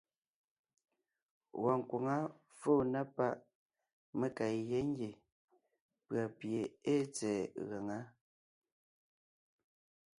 Wɔɔn nkwaŋá fóo na páʼ mé ka gyá ngie pʉ̀a pie ée tsɛ̀ɛ gaŋá.